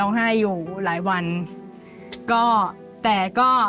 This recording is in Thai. ลูกขาดแม่